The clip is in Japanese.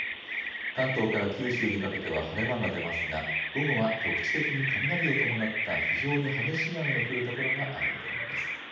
関東から九州にかけては晴れ間が出ますが午後は局地的に雷を伴った非常に激しい雨の降る所がある見込みです。